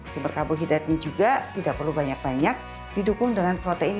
sumber karbohidratnya juga tidak perlu banyak banyak didukung dengan protein